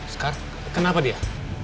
sekar kenapa dia